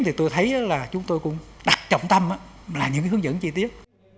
thì tôi thấy là chúng tôi cũng đặt trọng tâm là những hướng dẫn chi tiết